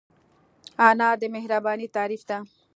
انا د مهربانۍ تعریف ده